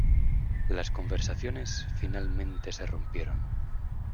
Las conversaciones finalmente se rompieron.